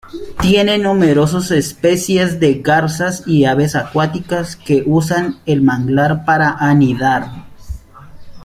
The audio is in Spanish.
Tiene numerosas especies de garzas y aves acuáticas que usan el manglar para anidar.